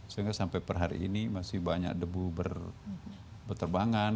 sehingga sampai per hari ini masih banyak debu berterbangan